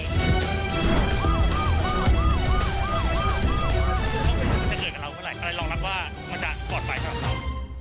จะเกิดกับเราเท่าไรแต่รองรับว่ามันจะปลอดภัยกับเรา